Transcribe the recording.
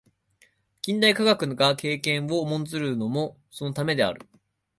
近代科学が経験を重んずるのもそのためである。